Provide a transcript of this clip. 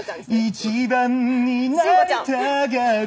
「一番になりたがる？」